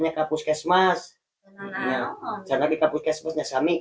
inilah sebab trus kaciansop